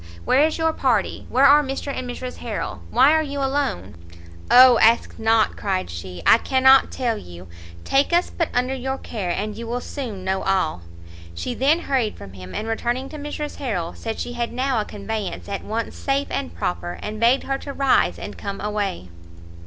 Where is your party? where are Mr and Mrs Harrel? Why are you alone?" "O ask not!" cried she, "I cannot tell you! take us but under your care, and you will soon know all." She then hurried from him, and returning to Mrs Harrel, said she had now a conveyance at once safe and proper, and begged her to rise and come away.